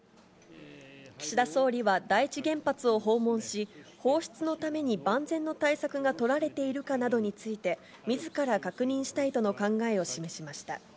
岸田総理は第一原発を訪問し、放出のために万全の対策が取られているかなどについて、みずから確認したいとの考えを示しました。